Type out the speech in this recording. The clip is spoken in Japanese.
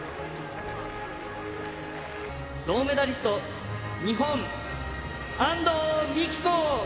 銅メダリスト、日本、安藤美